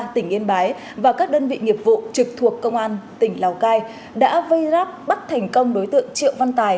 tỉnh yên bái và các đơn vị nghiệp vụ trực thuộc công an tỉnh lào cai đã vây gáp bắt thành công đối tượng triệu văn tài